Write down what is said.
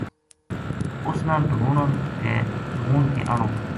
اُس نا ڈھونڈ کے آنوں